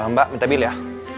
mbak minta bil ya